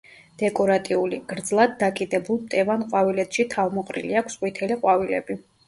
დეკორატიული, გრძლად დაკიდებულ მტევან ყვავილედში თავმოყრილი აქვს ყვითელი ყვავილები.